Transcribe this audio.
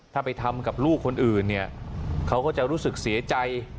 ถ้าไปทำกับลูกคนอื่นเนี่ยเขาก็จะรู้สึกเสียใจ